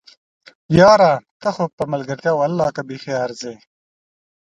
یاره! ته خو په ملګرتيا ولله که بیخي ارځې!